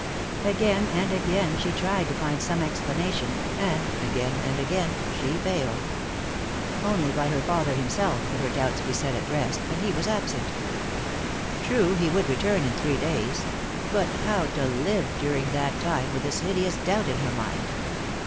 Again and again she tried to find some explanation, and again and again she failed. Only by her father himself could her doubts be set at rest, and he was absent. True, he would return in three days; but how to live during that time with this hideous doubt in her mind?